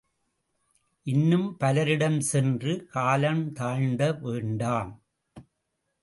இன்னும் பலரிடஞ் சென்று காலந் தாழ்ந்த வேண்டாம்.